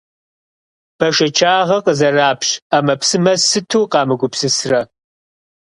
Бэшэчагъэ къызэрапщ ӏэмэпсымэ сыту къамыгупсысрэ.